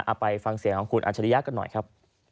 เอาไปฟังเสียงของคุณอัจฉริยะกันหน่อยครับ